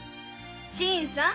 新さん！